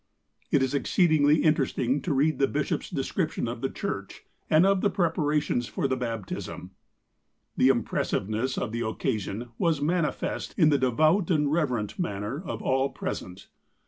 " It is exceedingly interesting to read the bishop's de scription of the church, and of the preparations for the baptism : "The impressiveness of the occasion was manifest in the devout and reverent manner of all present.